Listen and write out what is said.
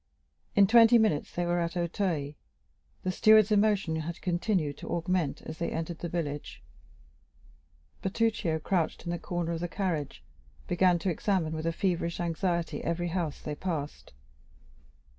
In twenty minutes they were at Auteuil; the steward's emotion had continued to augment as they entered the village. Bertuccio, crouched in the corner of the carriage, began to examine with a feverish anxiety every house they passed.